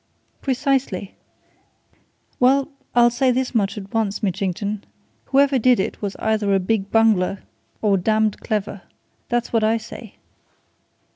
"Precisely! Well I'll say this much at once, Mitchington. Whoever did it was either a big bungler or damned clever! That's what I say!"